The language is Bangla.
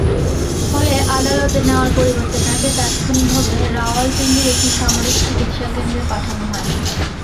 ফলে আদালতে নেওয়ার পরিবর্তে তাঁকে তাৎক্ষণিকভাবে রাওয়ালপিন্ডির একটি সামরিক চিকিৎসাকেন্দ্রে পাঠানো হয়।